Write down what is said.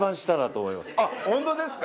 あっ本当ですか？